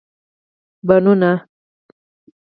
بڼونه